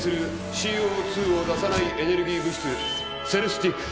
ＣＯ２を出さないエネルギー物質セルスティック